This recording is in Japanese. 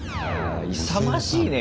勇ましいね